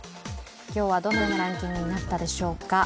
今日はどのようなランキングになったでしょうか。